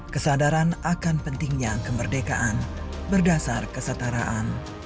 kesadaran akan pentingnya kemerdekaan berdasar kesetaraan